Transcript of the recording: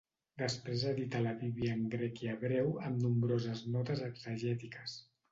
Després edità la Bíblia en grec i hebreu amb nombroses notes exegètiques.